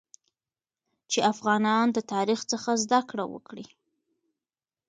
چې افغانان د تاریخ څخه زده کړه وکړي